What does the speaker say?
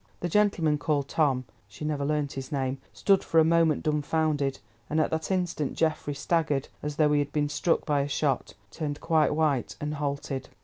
The gentleman called "Tom"—she never learnt his name—stood for a moment dumbfounded, and at that instant Geoffrey staggered, as though he had been struck by a shot, turned quite white, and halted.